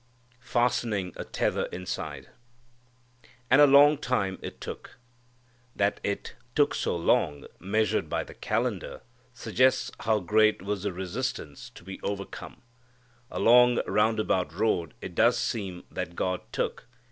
Fastening a Tether Inside. And a long time it took. That it took so long, measured by the calendar, suggests how great was the resistance to be overcome. A long round about road it does seem that God took.